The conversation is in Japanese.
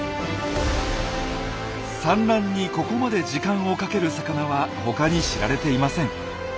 産卵にここまで時間をかける魚は他に知られていません。